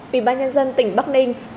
vị ban nhân dân tỉnh bắc ninh